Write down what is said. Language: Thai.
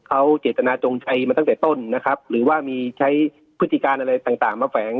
เขาเจตนาจงชัยมาตั้งแต่ต้นนะครับหรือว่ามีใช้พฤติการอะไรต่างต่างมาแฝง